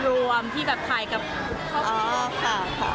ก็คือพี่ที่อยู่เชียงใหม่พี่อธค่ะ